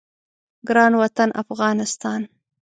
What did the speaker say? ګران وطن افغانستان